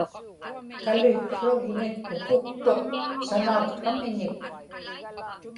kalikługnik pukuktuq sanaaksramiñik